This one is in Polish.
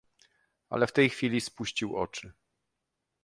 "Ale w tej chwili spuścił oczy."